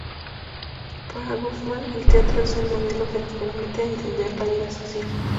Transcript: Para Goffman el teatro es un modelo que nos permite entender la vida social.